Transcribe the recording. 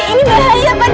ini bahaya pak